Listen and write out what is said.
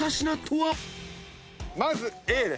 まずＡです。